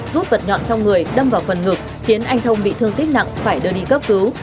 rút vật nhọn trong người đâm vào phần ngực khiến anh thông bị thương tích nặng phải đưa đi cấp cứu